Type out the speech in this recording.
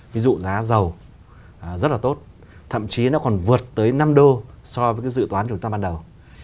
ví dụ giá dầu rất là tốt thậm chí nó còn vượt tới năm đô so với cái dự toán chúng ta ban đầu